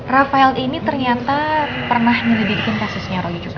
raphael ini ternyata pernah nyelidikin kasusnya roy juga